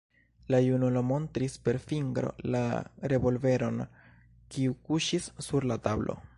La junulo montris per fingro la revolveron, kiu kuŝis sur la tablo.